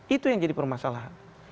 itu yang jadi permasalahan